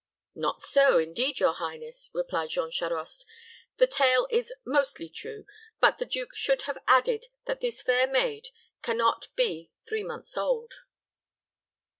"Not so, indeed, your highness," replied Jean Charost. "The tale is mostly true; but the duke should have added that this fair maid can not be three months old."